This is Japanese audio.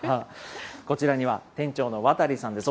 こちらには店長の渡利さんです。